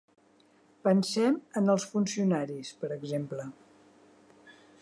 Pensem en els funcionaris, per exemple.